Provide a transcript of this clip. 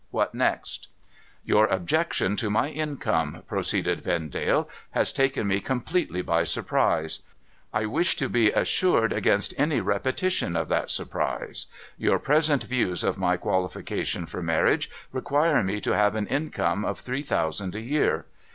What next ?'' Your objection to my income,' proceeded Vendale, ' has taken me completely by surprise. I wish to be assured against any repe tition of that surprise. Your present views of my qualification for marriage require me to have an income of three thousand a year.